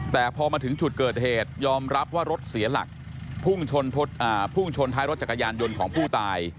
แต่พอมาถึงจุดเกิดเหตุยอมรับว่ารถเสียหลักพุ่งชนท้ายรถจักรยานยนต์ของผู้ตาย